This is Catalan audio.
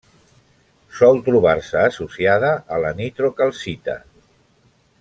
Sol trobar-se associada a la nitrocalcita.